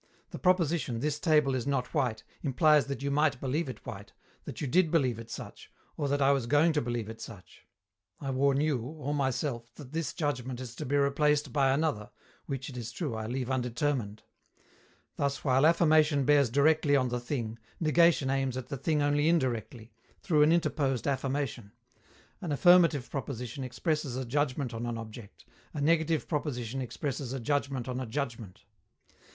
The proposition, "This table is not white," implies that you might believe it white, that you did believe it such, or that I was going to believe it such. I warn you or myself that this judgment is to be replaced by another (which, it is true, I leave undetermined). Thus, while affirmation bears directly on the thing, negation aims at the thing only indirectly, through an interposed affirmation. An affirmative proposition expresses a judgment on an object; a negative proposition expresses a judgment on a judgment.